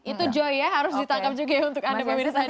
itu joy ya harus ditangkap juga ya untuk anda pemirsa di rumah ya